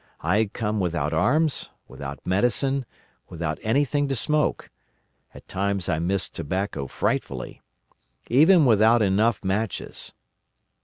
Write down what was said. I had come without arms, without medicine, without anything to smoke—at times I missed tobacco frightfully!—even without enough matches.